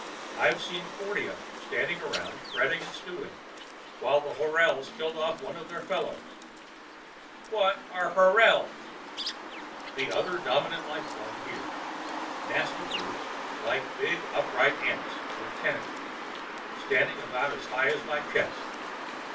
I've seen forty of them standing around, fretting and stewing, while the horals killed off one of their fellows." "What are horals?" "The other dominant life form here. Nasty brutes, like big upright ants with tentacles. Stand about as high as my chest.